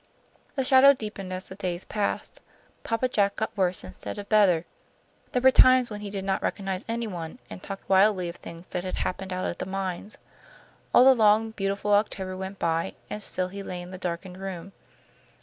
The shadow deepened as the days passed. Papa Jack got worse instead of better. There were times when he did not recognize any one, and talked wildly of things that had happened out at the mines. All the long, beautiful October went by, and still he lay in the darkened room.